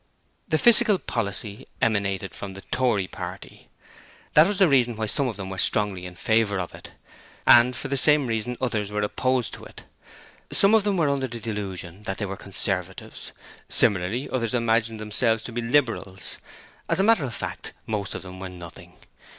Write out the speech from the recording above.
The 'Fissical Policy' emanated from the Tory party. That was the reason why some of them were strongly in favour of it, and for the same reason others were opposed to it. Some of them were under the delusion that they were Conservatives: similarly, others imagined themselves to be Liberals. As a matter of fact, most of them were nothing.